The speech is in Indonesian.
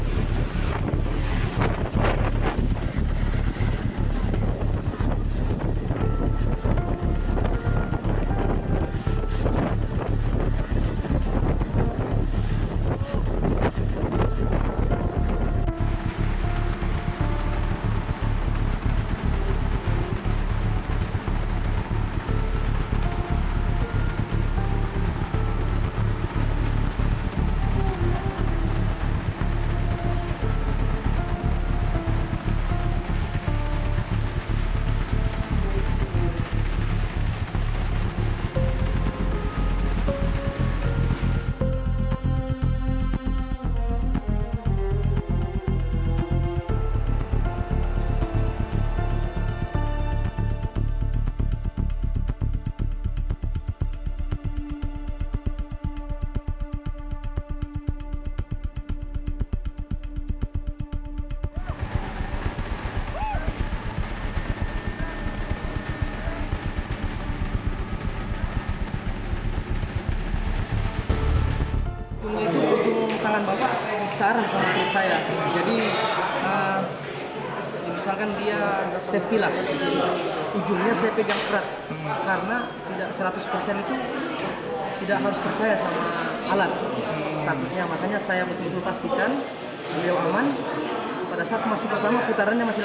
sampai jumpa di video selanjutnya